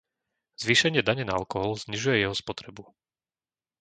Zvýšenie dane na alkohol znižuje jeho spotrebu.